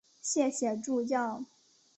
谢谢助教